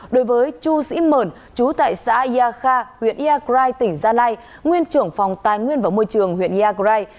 đối với chu sĩ mờn chú tại xã ia kha huyện ia krai tỉnh gia lai nguyên trưởng phòng tài nguyên và môi trường huyện ia krai